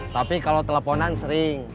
tapi kalau teleponan sering